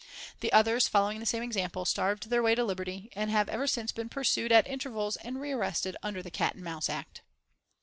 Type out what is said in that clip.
The others, following the same example, starved their way to liberty, and have ever since been pursued at intervals and rearrested under the Cat and Mouse Act.